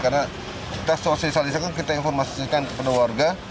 karena kita sosialisakan kita informasikan kepada warga